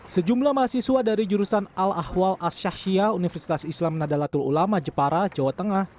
sejumlah mahasiswa dari jurusan al ahwal asyashiya universitas islam nadalatul ulama jepara jawa tengah